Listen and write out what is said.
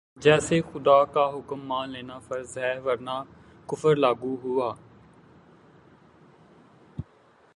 جیسے خدا کا حکم مان لینا فرض ہے ورنہ کفر لاگو ہوا